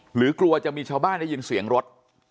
หรือกลัวจะมีชาวบ้านได้ยินเสียงรถ